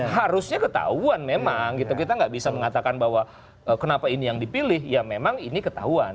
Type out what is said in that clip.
harusnya ketahuan memang gitu kita nggak bisa mengatakan bahwa kenapa ini yang dipilih ya memang ini ketahuan